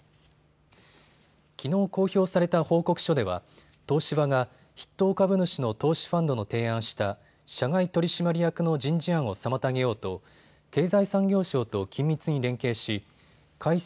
きのう公表された報告書では東芝が筆頭株主の投資ファンドの提案した社外取締役の人事案を妨げようと経済産業省と緊密に連携し改正